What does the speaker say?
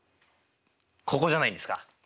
ここじゃないですか？